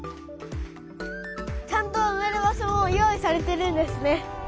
ちゃんとうめる場所も用意されてるんですね。